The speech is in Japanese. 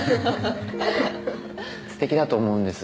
すてきだと思うんです